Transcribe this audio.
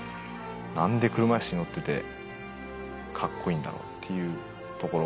なんで車いす乗ってて、かっこいいんだろうっていうところ。